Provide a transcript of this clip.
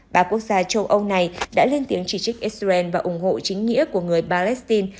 ba quốc gia châu âu này đã lên tiếng chỉ trích israel và ủng hộ chính nghĩa của người palestine